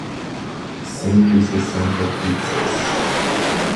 Cento e sessenta pizzas